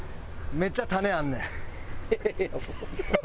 めっちゃタネあんねん。